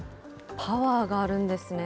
パワーがあるんですね。